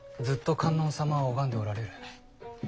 ずっと観音様を拝んでおられる。